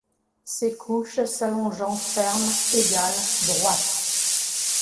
Ses couches s’allongeant fermes, égales, droites